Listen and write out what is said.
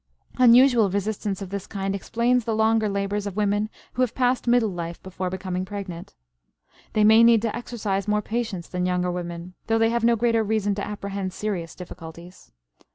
Unusual resistance of this kind explains the longer labors of women who have passed middle life before becoming pregnant. They may need to exercise more patience than younger women, though they have no greater reason to apprehend serious difficulties.